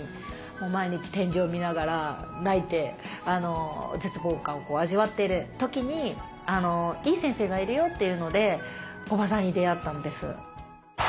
もう毎日天井見ながら泣いて絶望感を味わっている時に「いい先生がいるよ」っていうので木場さんに出会ったんです。